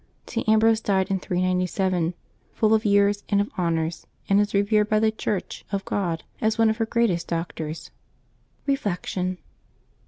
St. Ambrose died in 397, full of years and of honors, and is revered by the Church of Ck)d as one of her greatest doctors. Reflection.